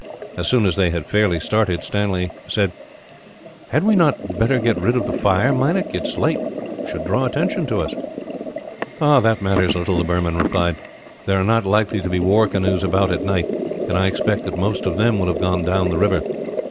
As soon as they had fairly started, Stanley said: "Had we not better get rid of the fire, Meinik? Its light would draw attention to us." "That matters little," the Burman replied. "There are not likely to be war canoes about at night, and I expect that most of them will have gone down the river.